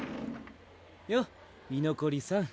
よっ居残りさん